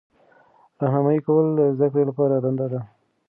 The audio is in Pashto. راهنمایي کول د زده کړې لپاره دنده ده.